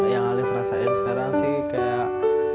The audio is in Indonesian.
yang alif rasain sekarang sih kayak